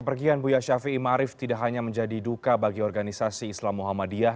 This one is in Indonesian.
pergian buya syafi'i ma'arif tidak hanya menjadi duka bagi organisasi islam muhammadiyah